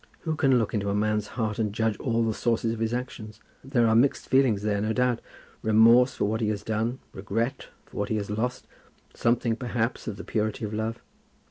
"Who can look into a man's heart and judge all the sources of his actions? There are mixed feelings there, no doubt. Remorse for what he has done; regret for what he has lost; something, perhaps, of the purity of love."